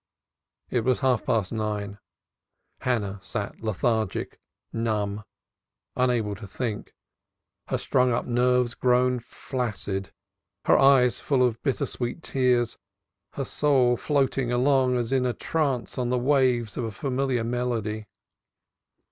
It was half past nine. Hannah sat lethargic, numb, unable to think, her strung up nerves grown flaccid, her eyes full of bitter sweet tears, her soul floating along as in a trance on the waves of a familiar melody.